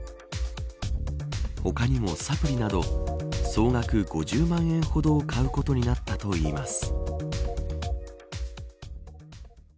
他にもサプリなど総額５０万円ほどを買うことになったといいます。